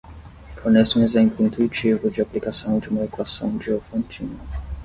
Forneça um exemplo intuitivo de aplicação de uma equação Diofantina.